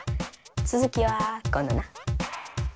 つづきはこんどな。